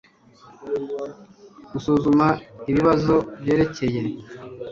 b gusuzuma ibibazo byerekeye